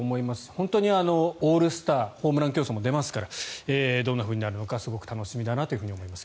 本当にオールスターホームラン競争も出ますからどんなふうになるのかすごく楽しみだなと思います。